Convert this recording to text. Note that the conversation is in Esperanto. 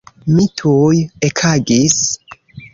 Mi tuj ekagis.